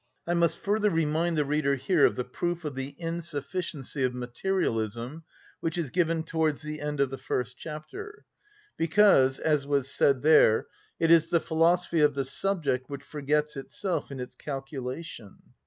I must further remind the reader here of the proof of the insufficiency of materialism, which is given towards the end of the first chapter, because, as was said there, it is the philosophy of the subject which forgets itself in its calculation.